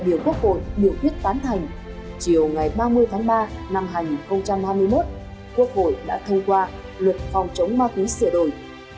quốc hội đã thông qua luật phòng chống ma túy sửa đổi